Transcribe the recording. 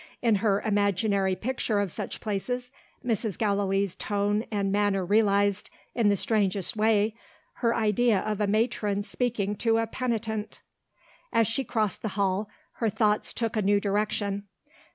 In her imaginary picture of such places, Mrs. Gallilee's tone and manner realised, in the strangest way, her idea of a matron speaking to a penitent. As she crossed the hall, her thoughts took a new direction.